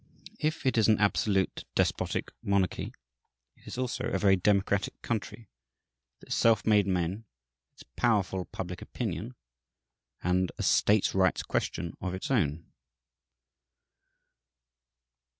If it is an absolute, despotic monarchy, it is also a very democratic country, with its self made men, its powerful public opinion, and a "states' rights" question of its own.